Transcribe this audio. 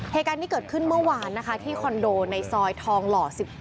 หน้าการที่เกิดขึ้นเมื่อวานที่คอนโดทองหล่อ๑๑